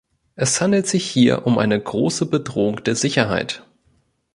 Es handelt sich hier um eine große Bedrohung der Sicherheit.